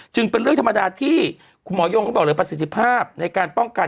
เป็นเรื่องธรรมดาที่คุณหมอยงเขาบอกเลยประสิทธิภาพในการป้องกัน